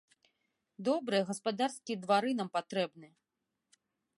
Добрыя гаспадарскія двары нам патрэбны!